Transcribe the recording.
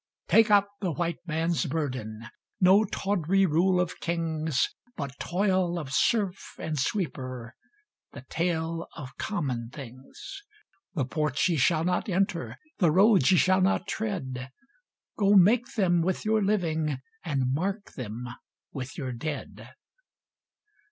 Take up the White Man's burden No tawdry rule of kings, But toil of serf and sweeper The tale of common things. The ports ye shall not enter, The roads ye shall not tread, Go make them with your living, And mark them with your dead.